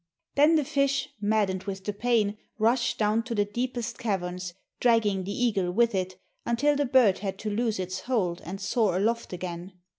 Then the fish, maddened with the pain, rushed down to the deepest caverns, dragging the eagle with it until the bird had to loose its hold and soar aloft again.